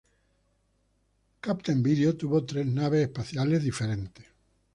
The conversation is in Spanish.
Captain Video tuvo tres naves espaciales diferentes.